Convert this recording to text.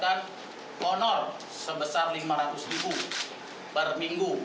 mendapatkan honor sebesar lima ratus ribu per minggu